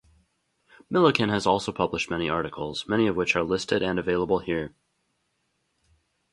Millikan has also published many articles, many of which are listed and available here.